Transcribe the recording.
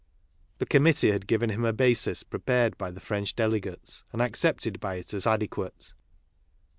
The Com mittee had given him a basis prepared by the French KARL MARX 21 delegates and accepted by it as adequate.